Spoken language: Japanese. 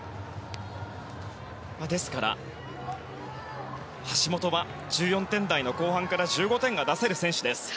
ですから、橋本は１４点台の後半から１５点が出せる選手です。